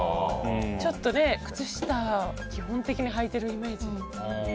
ちょっとね靴下を基本的にはいてるイメージ。